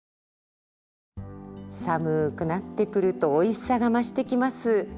寒くなってくるとおいしさが増してきます。